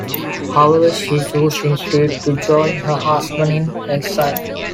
However, she chose instead to join her husband in exile.